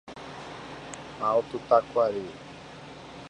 Alto Taquari